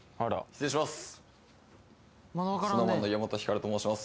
失礼します